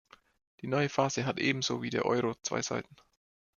Die neue Phase hat ebenso wie der Euro zwei Seiten.